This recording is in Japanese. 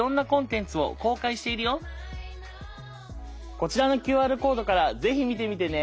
こちらのＱＲコードから是非見てみてね！